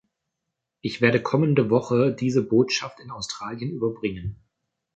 Ich werde kommende Woche diese Botschaft in Australien überbringen.